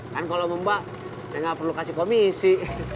kan kalau memba saya nggak perlu kasih komisi